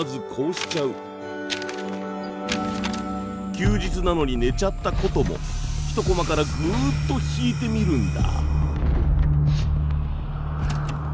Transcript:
休日なのに寝ちゃったことも１コマからぐっと引いてみるんだ。